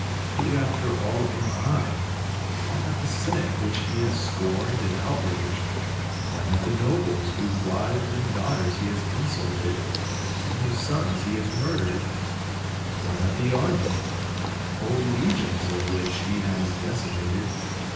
Who after all am I ? Why not the senate, which he has scorned and out raged ? Why not the nobles, whose wives and daugh ters he has insulted, and whose sons he has murdered ? Why not the army, whole legions of which he has deci mated?